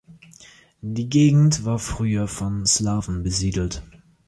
Die Gegend war früher von Slawen besiedelt.